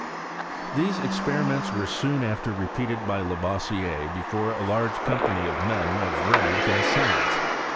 These experiments were soon after repeated by Lavoisier before a large C9mpany of men of rank and science.